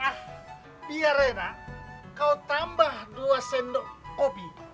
ah biar enak kau tambah dua sendok kopi